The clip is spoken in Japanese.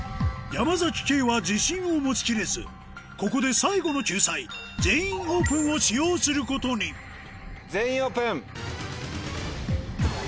山ケイは自信を持ちきれずここで最後の救済「全員オープン」を使用することに全員オープン！